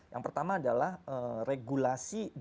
yang pertama adalah regulasi